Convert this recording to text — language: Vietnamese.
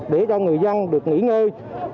để cho người dân được nghỉ ngơi